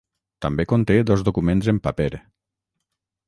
També conté dos documents en paper.